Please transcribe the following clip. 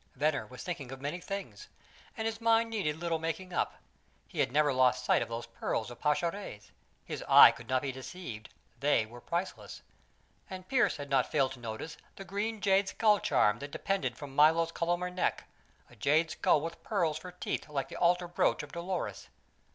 Venner was thinking of many things, and his mind needed little making up. He had never lost sight of those pearls of Pascherette's; his eye could not be deceived; they were priceless. And Pearse had not failed to notice the green jade skull charm that depended from Milo's columnar neck, a jade skull with pearls for teeth like the altar brooch of Dolores.